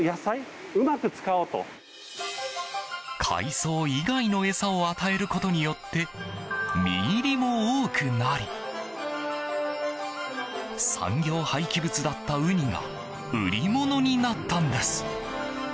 海藻以外の餌を与えることによって身入りも多くなり産業廃棄物だったウニが売り物になったんです。